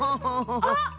あっ！